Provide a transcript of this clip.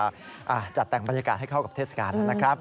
จัดแต่งบรรยากาศให้เข้ากับเทศกาลนะครับ